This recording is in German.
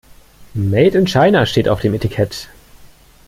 Made in China steht auf dem Etikett.